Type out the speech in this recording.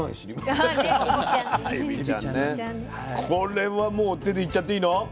これはもう手でいっちゃっていいの？